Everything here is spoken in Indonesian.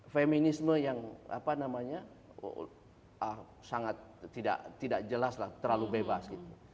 feminisme yang sangat tidak jelas lah terlalu bebas gitu